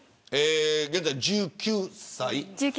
現在、１９歳。